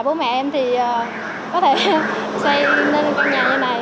bố mẹ em thì có thể xây lên một căn nhà như này